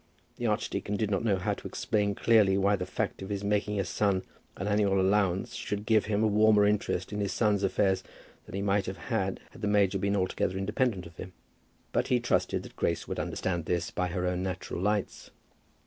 The archdeacon did not know how to explain clearly why the fact of his making a son an annual allowance should give him a warmer interest in his son's affairs than he might have had had the major been altogether independent of him; but he trusted that Grace would understand this by her own natural lights.